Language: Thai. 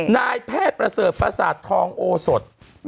นายแพทย์ประเสริฐประสาททองโอสด